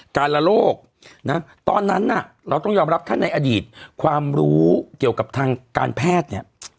การละโลกนะตอนนั้นน่ะเราต้องยอมรับถ้าในอดีตความรู้เกี่ยวกับทางการแพทย์เนี่ย